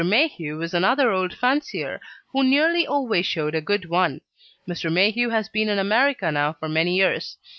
Mayhew is another old fancier, who nearly always showed a good one. Mr. Mayhew has been in America now for many years.